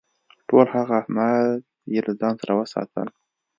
ټول هغه اسناد یې له ځان سره وساتل.